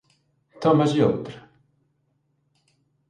Tómaslle outra?